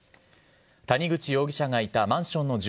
谷口容疑者がいたマンションの住